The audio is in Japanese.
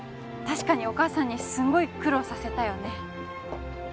確かにお母さんにすんごい苦労させたよね